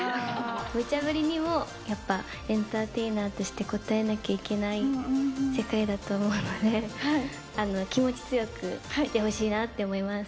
むちゃ振りにもやっぱ、エンターテイナーとして応えなきゃいけない世界だと思うので、気持ち強くいてほしいなと思います。